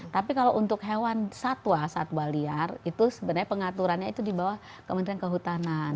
tapi kalau untuk hewan satwa satwa liar itu sebenarnya pengaturannya itu di bawah kementerian kehutanan